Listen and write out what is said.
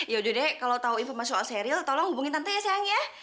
yaudah deh kalo tau informasi soal sheryl tolong hubungin tante ya sayang ya